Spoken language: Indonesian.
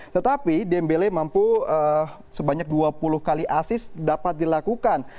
tetapi dembele mampu sebanyak dua puluh kali asis dapat dilakukan